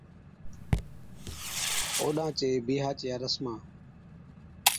اوڏان چِيا بِيھا چِيا رسما